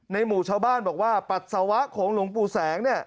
หมู่ชาวบ้านบอกว่าปัสสาวะของหลวงปู่แสงเนี่ย